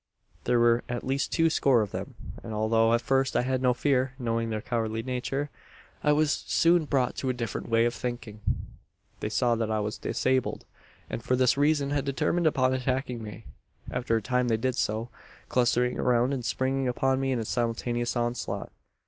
"There were at least two score of them; and although at first I had no fear knowing their cowardly nature I was soon brought to a different way of thinking. "They saw that I was disabled; and for this reason had determined upon attacking me. "After a time they did so clustering around and springing upon me in a simultaneous onslaught.